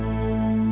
aku mau pergi